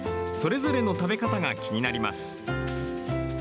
それぞれの食べ方が気になります。